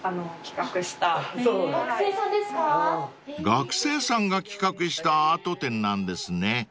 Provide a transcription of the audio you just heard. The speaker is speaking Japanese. ［学生さんが企画したアート展なんですね］